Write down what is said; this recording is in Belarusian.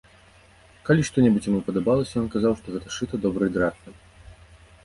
Калі што-небудзь яму падабалася, ён казаў, што гэта сшыта добрай дратвай.